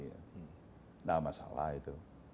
tidak masalah itu